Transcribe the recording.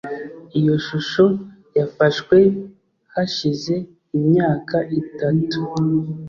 Iyo shusho yafashwe hashize imyaka itatu